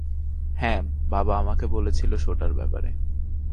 হ্যাঁ, বাবা আমাকে বলেছিল শো-টার ব্যাপারে।